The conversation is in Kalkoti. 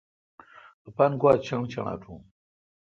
اپان گواچݨ چݨ اٹوُن۔